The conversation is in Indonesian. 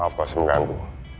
maaf kalau saya mengganggu